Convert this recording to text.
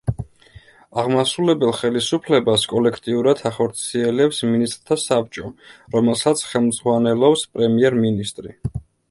აღმასრულებელ ხელისუფლებას კოლექტიურად ახორციელებს მინისტრთა საბჭო, რომელსაც ხელმძღვანელობს პრემიერ-მინისტრი.